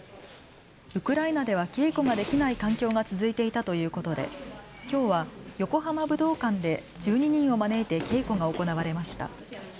ウクライナでは稽古ができない環境が続いていたということできょうは横浜武道館で１２人を招いて稽古が行われました。